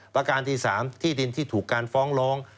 ประการที่๓ที่ดินที่ถูกการฟ้องร้อง